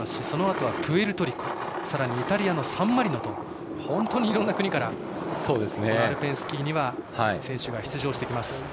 そのあとはプエルトリコさらに、イタリアのサンマリノと本当にいろんな国からアルペンスキーには選手が出場してきます。